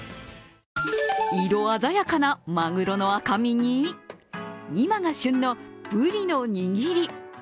色鮮やかなまぐろの赤身に今が旬のぶりの握り。